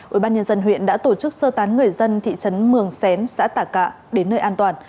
ủy ban nhân dân huyện đã tổ chức sơ tán người dân thị trấn mường xén xã tà cạ đến nơi an toàn